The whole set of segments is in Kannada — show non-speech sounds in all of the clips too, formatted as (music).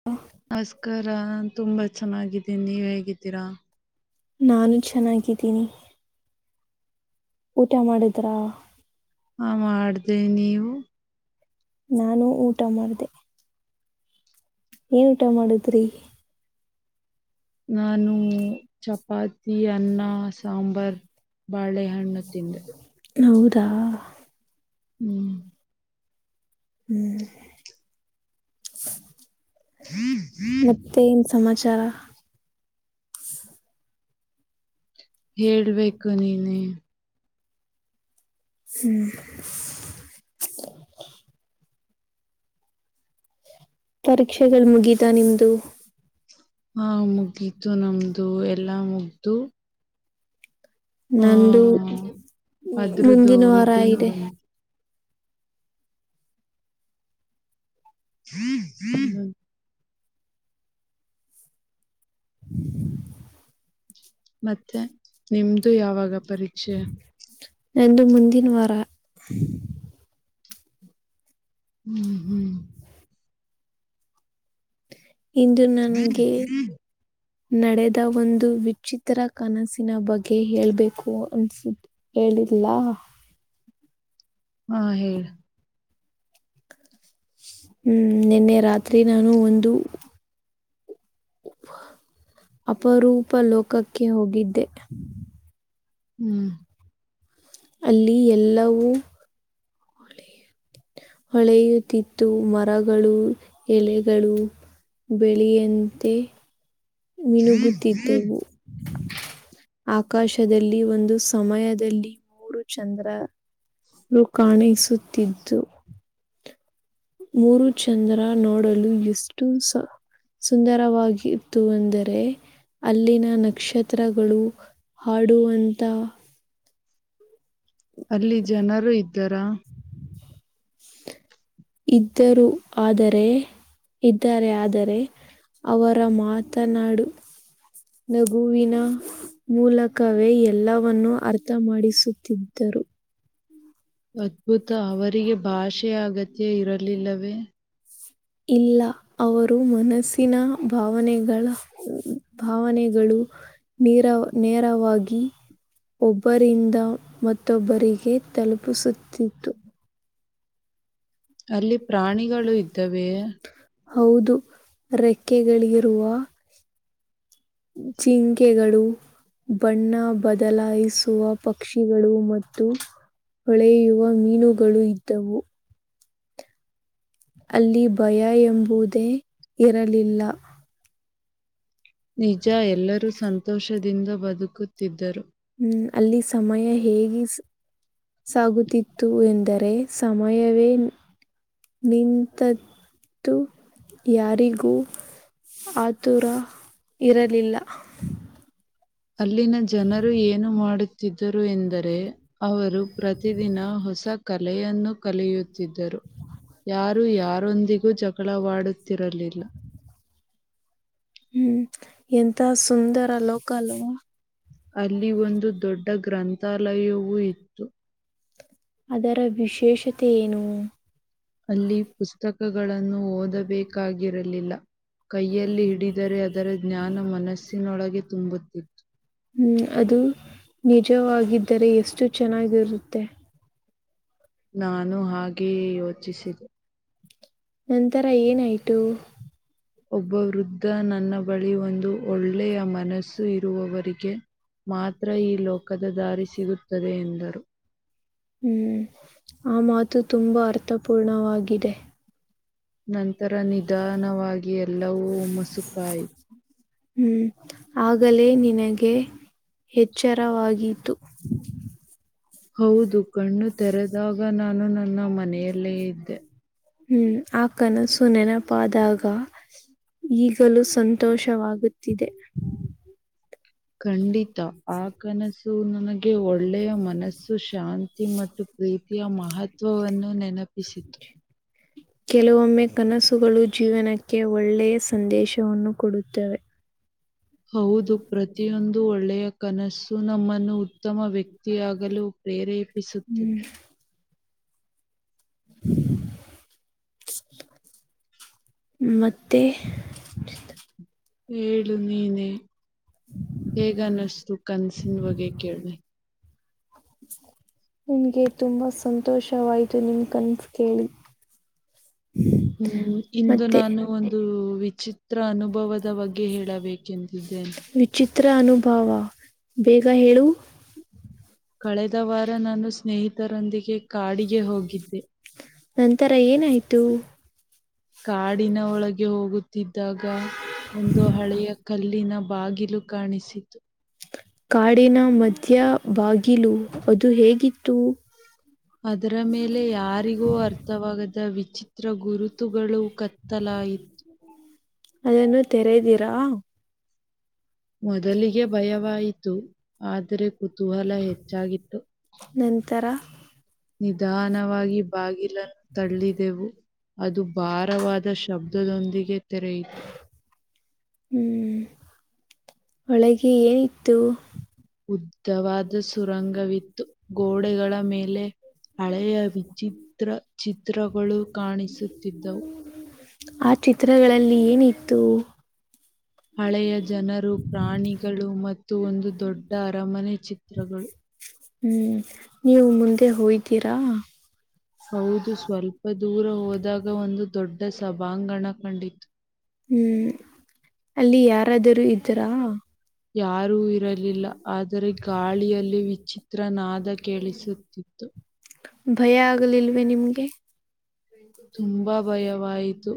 (unintelligible) ನಮಸ್ಕಾರ ನಾನ್ ತುಂಬಾ ಚೆನ್ನಾಗಿದ್ದೀನಿ. ನೀವ್ ಹೇಗಿದ್ದೀರಾ? ನಾನು ಚೆನ್ನಾಗಿದ್ದೀನಿ. ಊಟ ಮಾಡಿದ್ರಾ? ಹ ಮಾಡ್ದೆ ನೀವು? ನಾನು ಊಟ ಮಾಡಿದೆ. ಏನ್ ಊಟ ಮಾಡುದ್ರಿ? ನಾನು ಚಪಾತಿ ಅನ್ನ ಸಾಂಬಾರ್ ಬಾಳೆ ಹಣ್ಣು ತಿಂದ ಹೌದಾ ಹ್ಮ್ ಹ್ಮ್ ಹ್ಮ್ ಹ್ಮ್ ಮತ್ತ ನು ಸಮಾಚಾರ ಹೇಳ್ಬೇಕು ನೀನೇ ಹ್ಮ್ ಪರೀಕ್ಷೆಗಳು ಮುಗಿದ ನಿಮ್ದು ಹ ಮುಗತು ನಮ್ದು ಎಲ್ಲಾ ಮುಗ್ದು ನಂದು ಮುಂದಿನ ವಾರ ಇದೆ ಹ್ಮ್ ಹ್ಮ್ (inaudible) ಮತ್ತೆ ನಿಮ್ದು ಯಾವಾಗ ಪರೀಕ್ಷೆ ನಂದು ಮುಂದಿನ ವಾರ ಹ್ಮ್ ಹ್ಮ್ ಇಂದು ನನಗೆ ನಡೆದ ಒಂದು ವಿಚಿತ್ರ ಕನಸಿನ ಬಗ್ಗೆ ಹೇಳ್ಬೇಕು ಅನ್ಸುತ್ತ ಹೇಳಿಲ್ಲ ಹಾ ಹೇಳ ಹ ನಿನ್ನೆ ರಾತ್ರಿ ನಾನು ಒಂದು ಅಪರೂಪ ಲೋಕಕ್ಕೆ ಹೋಗಿದ್ದೆ ಹ್ಮ್ ಅಲ್ಲಿ ಎಲ್ಲವೂ (inaudible) ಹೊಳೆಯುತ್ತಿತ್ತು ಮರಗಳು ಎಲೆಗಳು ಬೆಳೆಯಂತೆ ಮಿನುಗುತ್ತಿದ್ದವು ಆಕಾಶದಲ್ಲಿ ಒಂದು ಸಮಯದಲ್ಲಿ ಮೂರು ಚಂದ್ರ ಕಾಣಿಸುತ್ತಿದ್ದು ಮೂರು ಚಂದ್ರ ನೋಡಲು ಎಷ್ಟು ಸ ಸುಂದರವಾಗಿತ್ತು ಅಂದರೆ ಅಲ್ಲಿನ ನಕ್ಷತ್ರಗಳು ಹಾಡುುವಂಥ ಅಲ್ಲಿ ಜನರು ಇದ್ದ ತ್ತರ (inaudible) ಇದ್ದರುೂ ಆದರೆ ಇದ್ದಾರೆ ಆದರೆ ಅವರ ಮಾತನಾಡು ನಗುವಿನ ಮೂಲಕವೇ ಎಲ್ಲವನ್ನೂ ಅರ್ಥ ಮಾಡಡಿಸುತ್ತಿದ್ದರು ಅದ್ಭುತ ಅವರಿಗೆ ಭಾಷೆ ಅಗತ್ಯ ಇರಲಿಲ್ಲವೇ ಇಲ್ಲ ಅವರು ಮನಸ್ಸಿನ ಭಾವನೆಗಳ ಭಾವನೆಗಳು ನರ ನೇರವಾಗಿ ಒಬ್ಬರಿಂದ ಮತ್ತೊಬ್ಬರಿಗೆ ತಲುಪಿಸುತ್ತಿತ್ತು ಅಲ್ಲಿ ಹೌದು ರೆಕ್ಕೆಗಳಿರುವ ಚಿ ಕೆಗಳು ಬಣ್ಣ ಬದಲಾಯಿಸುವ ಪಕ್ಷಿಗಳು ಮತ್ತು. ಹೊಳೆಯುವ ಮೀನುಗಳು ಇದ್ದವು. ಅಲ್ಲಿ ಭಯ ಎಂಬುದೇ ಇರಲಿಲ್ಲ. ನಿಜ ಎಲ್ಲರೂ ಸಂತೋಷದಿಂದ ಬದುಕುತ್ತಿದ್ದರು. ಹ್ಮ್ ಅಲ್ಲಿ ಸಮಯ ಹೇಗ. ಸಾಗುತ್ತಿತ್ತು ಎಂದರೆ ಸಮಯವೇ. ನಿಂತದ್ದು ಯಾರಿಗೂ. ಆತೂರ ಇರಲಿಲ್ಲ. ಅಲ್ಲಿನ ಜನರು ಏನು ಮಾಡುತ್ತ. ತ್ತಿದ್ದರು ಎಂದರೆ ಅವರು ಪ್ರತಿ ದಿನ ಹೊಸ ಕಲೆಯನ್ನು ಕಲಿಯುತ್ತ. ತ್ತಿದ್ದರೂ ಯಾರು ಯಾರೊಂದಿಗೂ ಜಗಳವಾಡುತ್ತಿರಲಿಲ್ಲ. ಹ್ಮ್ ಎಂತ ಸುಂದರ ಲೋಕ ಅಲ್ವಾ. ಅಲ್ಲಿ ಒಂದು ದೊಡ್ಡ ಗ್ರಂಥಾಲಯವೂ ಇತ್ತು. ಅದರ ವಿಶೇಷತೆ ಏನು. ಅಲ್ಲಿ ಪುಸ್ತಕಗಳನ್ನು ಓದಬೇಕಾಗಿರಲಿಲ್ಲ. ಕೈಯಲ್ಲಿ ಹಿಡಿದರೆ ಅದರ ಜ್ಞಾನ ಮನಸ್ಸಿನೊಳಗೆ ತುಂಬುತ್ತಿಲ್ಲ. ಹ್ಮ್ ಅದು ನಿಜವಾಗಿದ್ದರೆ ಎಷ್ಟು ಚೆನ್ನಾಗಿರುತ್ತೆ. ನಾನು ಹಾಗೆಏ ಯೋಚಿಸಿದೆ. ನಂತರ ಏನಾಯ್ತು. ಒಬ್ಬ ವೃದ್ಧ ನನ್ನ ಬಳಿ ಒಂದು ಒಳ್ಳೆಯ ಮನಸ್ಸು ಇರುವವರಿಗೆ. ಮಾತ್ರ ಈ ಲೋಕದ ದಾರಿ ಸಿಗುತ್ತದೆ ಎಂದರು. ಹ್ಮ್ ಆ ಮಾತು ತುಂಬಾ ಅರ್ಥಪೂರ್ಣವಾಗಿದೆ. ನಂತರ ನಿಧಾನವಾಗಿ ಎಲ್ಲವೂ ಮಸುಕಾಯಿತೂ. ಹ್ಮ್ ಆಗಲೇ ನಿನಗೆ ಎಚ್ಚರವಾಯಿತು. ಹೌದು ಕಣ್ಣು ತೆರೆದಾಗ ನಾನು ನನ್ನ ಮನೆಯಲ್ಲೇ ಇದ್ದೆ. ಹ್ಮ್ ಆ ಕನಸು ನೆನಪಾದಾಗ. ಈಗಲೂ ಸಂತೋಷವಾಗುತ್ತಿದೆ. ಖಂಡಿತ ಆ ಕನಸ್ ನನಗೆ ಒಳ್ಳೆಯ ಮನಸ್ಸು ಶಾಂತಿ ಮತ್ತು ಪ್ರೀತಿಯ ಮಹತ್ವವನ್ನು ನೆನಪ (inaudible) (inaudible) ಕೆಲವೊಮ್ಮೆ ಕನಸುಗಳು ಜೀವನಕ್ಕೆ ಒಳ್ಳೆಯ ಸಂದೇಶವನ್ನು ಕೊಡುತ್ತವೆ. ಹೌದು ಪ್ರತಿಯೊಂದು ಒಳ್ಳೆಯ ಕನಸು ನಮ್ಮನ್ನು ಉತ್ತಮ ವ್ಯಕ್ತಿಯಾಗಲು ಪ್ರೇರೇ. ಪಿಸುತ್ತೆ. ಮತ್ತೆ. ಹೇಳು ನೀನ ಹೇಗನ್ನಷ್ಟು ಕನ್ಸಿನ ಬಗ್ಗೆ ಕೇಳಿ. (inaudible) ನಿನ್ಗೆ ತುಂಬಾ ಸಂತೋಷವಾಯ್ತು ನಿಮ್ ಕನ್ಸ ಕೇಳಿ. ಹ್ಮ್ ಇಂದು ನಾನು ಒಂದು ವಿಚಿತ್ರ. ತ್ರ ಅನುಭವದ ಬಗ್ಗೆ ಹೇಳಬೇಕೆಂದಿದ್ದೇನೆ. ಚಿತ್ರ ಅನುಭವ ಬೇಗ ಹೇಳು. ಕಳೆದ ವಾರ ನಾನು ಸ್ನೇಹಿತರೊಂದಿಗೆ. ನಂತರ ಏನಾಯ್ತು. ಕಾಡಿನ ಒಳಗೆ ಹೋಗುತ್ತಿದ್ದಾಗ. ಒಂದು ಹಳೆಯ ಕಲ್ಲಿನ ಬಾಗಿಲು ಕಾಣಿಸಿತು ಕಾಡಿನ ಮಧ್ಯ ಬಾಗಿಲು ಅದು ಹೇಗಿತ್ತು ಅದರ ಮೇಲೆ ಯಾರಿಗೂ ಅರ್ಥವಾಗದ ವಿಚಿತ್ರ ತ್ರ ಗುರುತುಗಳು ಕತ್ತಲ ಇ ಅದನ್ನು ತೆರೆದೀರಾ ಮೊದಲಿಗೆ ಭಯವಾಯಿತು ಆದ್ರೆ ಕುತೂಹಲ ಹೆಚ್ಚಾಗಿತ್ತು ನಂತರ ನಿಧಾನವಾಗಿ ಬಾಗಿಲನ್ನು ತಳ್ಳಿದೆವು ಅದು ಭಾರವಾದ ಶಬ್ದ ಮದೊಂದಿಗೆ ತೆರೆ ಇ ಹ್ಮ್ ಒಳಗೆ ಏ ಇತ್ತು ಉದ್ದವಾದ ಸುರಂಗವಿತ್ತು ಗೋಡೆಗಳ ಮೇಲೆ ಹಳೆಯ ವಿಚಿತ್ರ ಚಿತ್ರಗಳು ಕಾಣಿಸುತ್ತಿದ್ದವು ಆ ಚಿತ್ರಗಳಲ್ಲಿ ಏನಿತ್ತು ಹಳೆಯ ಜನರು ಪ್ರಾಣಿಗಳು ಮತ್ತು ಒಂದು ದೊಡ್ಡ ಅರಮನೆ ಚಿತ್ರಗಳು ಹ್ಮ್ ನೀವು ಮುಂದೆ ಹೋಯತೀರಾ ಹೌದು ಸ್ವಲ್ಪ ದೂರ ಹೋದಾಗ ಒಂದು ದೊಡ್ಡ ಸಭಾಂಗಣ ಕಂಡಿತ್ತು ಹ್ಮ್ ಅಲ್ಲಿ ಯಾರಾದರೂ ಇದರಾ ಯಾರೂ ಇರಲಿಲ್ಲ ಆದರೆ ಗಾಳಿಯಲ್ಲಿ ವಿಚಿತ್ರ ನಾದ ಕೇಳಿಸುತ್ತಿತ್ತು ಭಯ ಆಗ್ಲಿಲ್ವೇ ನಿಮ್ಗೆ ತುಂಬಾ ಭಯವಾಯಿತು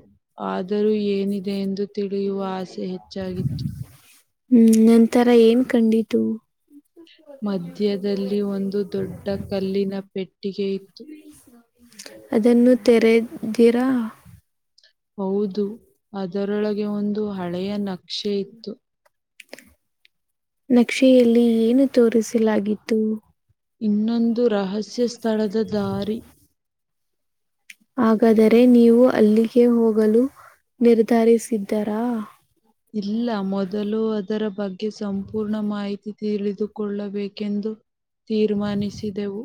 ಆದರೂ ಏನಿದೆ ಎಂದು ತಿಳಿಯುವ ಆಸೆ ಇತ್ತು ಚ್ಚಾಗಿತ್ತು ಹ್ಮ್ ನಂತರ ಏನ್ ಕಂಡಿತು ಮಧ್ಯದಲ್ಲಿ ಒಂದು ದೊಡ್ಡ ಕಲ್ಲಿನ ಪೆಟ್ಟಿಗೆ ಇತ್ತು ಅದನ್ನು ತೆರೆದಿರಾ ಹೌದು ಅದರೊಳಗೆ ಒಂದು ಹಳೆಯ ನಕ್ಷೆ ಇತ್ತು ನಕ್ಷೆಯಲ್ಲಿ ಏನು ತೋರಿಸಲಾಗಿತ್ತು ಇನ್ನೊಂದು ರಹಸ್ಯ ಸ್ಥಳದ ದಾರಿ ಹಾಗಾದರೆ ನೀವು ಅಲ್ಲಿಗೆ ಹೋಗಲು ನಿರ್ಧರಿಸಿದ್ದರಾ ಇಲ್ಲ ಮೊದಲು ಅದರ ಬಗ್ಗೆ ಸಂಪೂರ್ಣ ಮಾಹಿತಿ ತಿಳಿದುಕೊಳ್ಳಬೇಕೆಂದು ತೀರ್ಮಾನಿಸಿದೆವು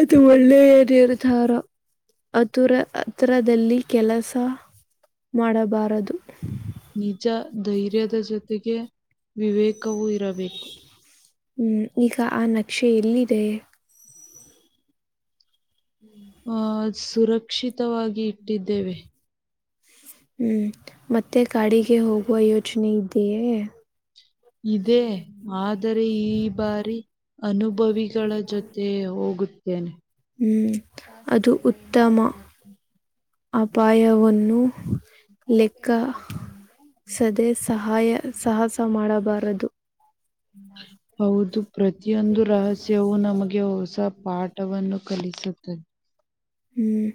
ಅದು ಒಳ್ಳೆರ್ತಾರ ಹತುರ ಹತ್ರಿರದಲ್ಲಿ ಕೆಲಸ ಮಾಡಬಾರದು ನಿಜ ಧೈರ್ಯದ ಜೊತೆಗೆ ವಿವೇಕವೂ ಇರಬೇಕು ಹ್ಮ್ ಈಗ ಆ ನಕ್ಷೆ ಎಲ್ಲಿದೆ ಆಹ ಸುರಕ್ಷಿತವಾಗಿ ಇಟ್ಟಿದ್ದೇವೆ ಹ್ಮ್ ಮತ್ತೆ ಕಾಡಿಗೆ ಹೋಗುವ ಯೋಚನೆ ಇದೆಯೇ ಇದದೆ ಆದರೆ ಈ ಬಾರಿ ಅನುಭವಿಗಳ ಜೊತೆ ಹೋಗುತ್ತೇನೆ ಹ್ಮ ಅ ಉತ್ತಮ ಅಪಾಯವನ್ನು ಲೆಕ್ಕ ಸದೇ ಸಹಾಯ ಸಾಹಸ ಮಾಡಬಾರದು ಹ್ಮ ಹೌದು ಪ್ರತಿಯೊಂದು ರಹಸ್ಯವ ನಮಗೆ ಹೊಸ ಪಾಠವನ್ನು ಕಲಿಸುತ್ತದೆ ಹ್ಮ್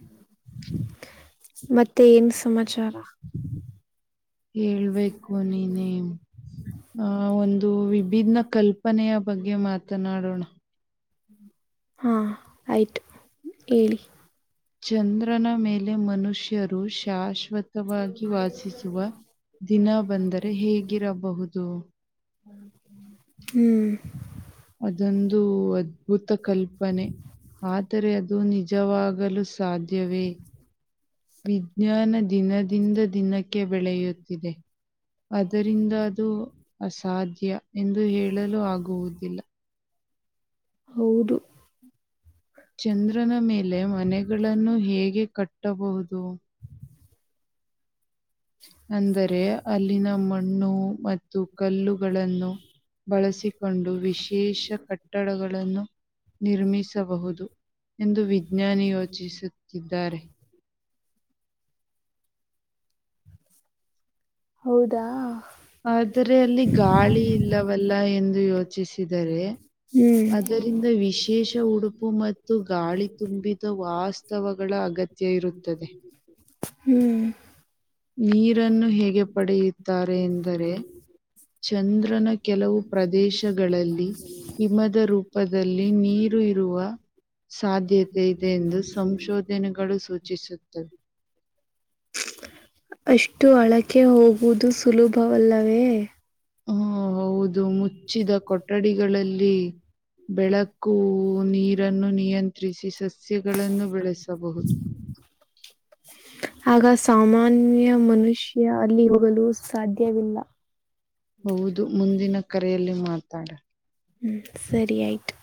ಮತ್ತೆ ಏನ್ ಸಮಾಚಾರ ಹೇಳ್ಬೇಕು ನೀನೇ ಆ ಒಂದು ವಿಭಿನ್ನ ಕಲ್ಪನೆಯ ಬಗ್ಗೆ ಮಾತನಾಡೋಣ ಹಾ ಆಯ್ತು ಹೇಳಿ ಚಂದ್ರನ ಮೇಲೆ ಮನುಷ್ಯರು ಶಾಶ್ವತ ತ ವಾಸಿಸುವ ದಿನ ಬಂದರೆ ಹೇಗಿರಬಹುದು ಹ್ಮ್ ಅದೊಂದು ಅದ್ಭುತ ಕಲ್ಪನೆ ಆದರೆ ಅದು ನಿಜವಾಗಲು ಸಾಧ್ಯವೇ ವಿಜ್ಞಾನ ದಿನದಿಂದ ದಿನಕ್ಕೆ ಬೆಳೆಯುತ್ತಿದೆ ಅದರಿಂದ ಅದು ಅಸಾಧ್ಯ ಎಂದು ಹೇಳಲು ಆಗುವುದಿಲ್ಲ ಹೌದು ಚಂದ್ರನ ಮೇಲೆ ಮನೆಗಳನ್ನು ಹೇಗೆ ಕಟ್ಟಬಹುದು ಅಂದರೆ ಅಲ್ಲಿನ ಮಣ್ಣು ಮತ್ತು ಕಲ್ಲುಗಳನ್ನು ಬಳಸಿಕೊಂಡು ವಿಶೇಷ ಕಟ್ಟಡಗಳನ್ನು ನಿರ್ಮಿಸಬಹುದು ಎಂದು ವಿಜ್ಞಾನಿ ಯೋಚಿಸುತ್ತಿದ್ದಾರೆ ಹೌದಾ ಆದರೆ ಅಲ್ಲಿ ಗಾಳಿ ಇಲ್ಲವಲ್ಲ ಎಂದು ಯೋಚಿಸಿದರೆ ಅ ಇದಂದ ವಿಶೇಷ ಉಡುಪು ಮತ್ತು ಗಾಳಿ ತುಂಬಿದ ವಾಸ್ತವಗಳ ಅಗತ್ಯ ಹ್ಮ್ ನೀರನ್ನು ಹೇಗೆ ಪಡೆಯುತ್ತಾರೆ ಎಂದರೆ ಚಂದ್ರನ ಕೆಲವು ಪ್ರದೇಶಗಳಲ್ಲಿ ಹಿಮದ ರೂಪ ಹಪ್ಪದಲ್ಲಿ ನೀರು ಇರುವ ಸಾಧ್ಯತೆ ಇದೆ ಎಂದು ಸಂಶೋಧ ದಿನಗಳು ಸೂಚಿಸುತ್ತವೆ ಅಷ್ಟು ಅಳಕೆ ಹೋಗುವುದು ಸುಲಭವಲ್ಲವೇ ಹಾ ಹೌದು ಮುಚ್ಚಿದ ಕೊಠಡಿಗಳಲ್ಲಿ ಬೆಳಕು ನೀರನ್ನು ನಿಯಂತ್ರಿಸಿ ಸಸ್ಯಗಳನ್ನು ಬೆಳೆಸಬಹುದು ಆಗ ಸಾಮಾನ್ಯ ಮನುಷ್ಯ ಅಲ್ಲಿ ಹೋಗಲು ಸಾಧ್ಯವಿಲ್ಲ ಹೌದು ಮುಂದಿನ ಕರೆಯಲ್ಲಿ ಮಾತಾಡ ಹ್ಞ ಸರಿ ಆಯಿತು